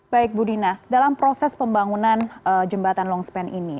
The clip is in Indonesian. baik budina dalam proses pembangunan jembatan long span ini